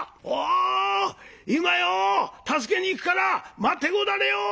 今よ助けに行くから待ってござれよ！」。